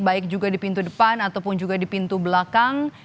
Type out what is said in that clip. baik juga di pintu depan ataupun juga di pintu belakang